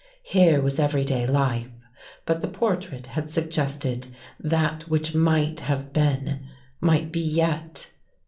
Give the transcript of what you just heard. Here was everyday life, but the portrait had suggested that which might have been might be yet.